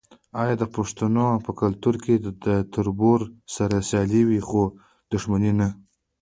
آیا د پښتنو په کلتور کې د تربور سره سیالي وي خو دښمني نه؟